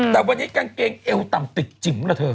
แต่วันนี้กางเกงเอวต่ำติดจิ๋มเหรอเธอ